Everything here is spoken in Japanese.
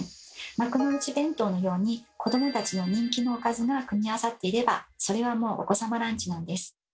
幕の内弁当のように子どもたちの人気のおかずが組み合わさっていればそれはもう「お子様ランチ」なんです。